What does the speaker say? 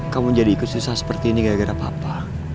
kamu jadi ikut susah seperti ini gara gara papa